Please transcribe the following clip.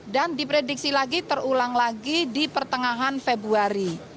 dan diprediksi lagi terulang lagi di pertengahan februari